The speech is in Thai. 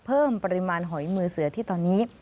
เพิ่มปริมาณหอยมือเสือที่ตอนนี้